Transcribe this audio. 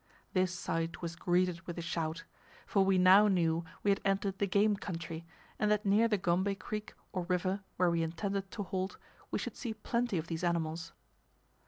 This sight was greeted with a shout; for we now knew we had entered the game country, and that near the Gombe creek, or river, where we intended to halt, we should see plenty of these animals.